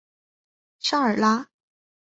沙尔拉。